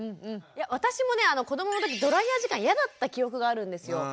私もね子どもの時ドライヤー時間嫌だった記憶があるんですよ。